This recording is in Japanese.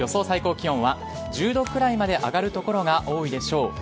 最高気温は１０度くらいまで上がる所が多いでしょう。